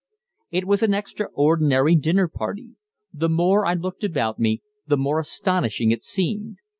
It was an extraordinary dinner party. The more I looked about me, the more astonishing it seemed.